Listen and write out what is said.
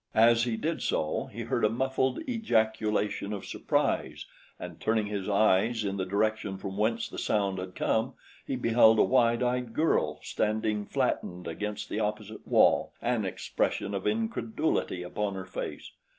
As he did so, he heard a muffled ejaculation of surprise, and turning his eyes in the direction from whence the sound had come, he beheld a wide eyed girl standing flattened against the opposite wall, an expression of incredulity upon her face.